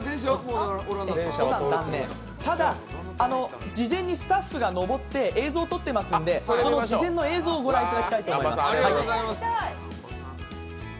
ただ、事前にスタッフが登って映像を撮っていますのでその事前の映像をご覧いただきたいと思います。